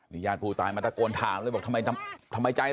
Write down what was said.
นี่ญาติผู้ตายมาตะโกนถามแล้วบอกทำไม